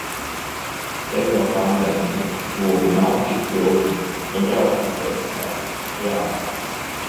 Tev jau, pandēmija, zobu nav, tikai ilkņi. "Nu braucam!" teica Gatis. Jā.